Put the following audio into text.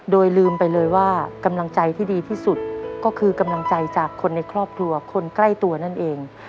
โดยลืมไปเลยว่ากำลังใจที่ดีที่สุดก็คือกำลังใจจากคนในครอบครัวคนใกล้ตัวนั่นเอง